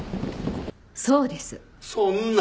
そんな！